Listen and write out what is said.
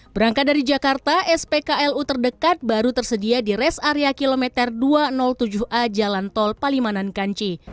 berangkat dari jakarta spklu terdekat baru tersedia di res area kilometer dua ratus tujuh a jalan tol palimanan kanci